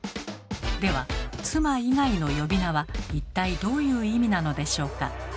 では「妻」以外の呼び名は一体どういう意味なのでしょうか？